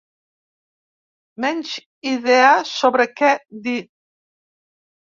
Menys idea sobre què dir.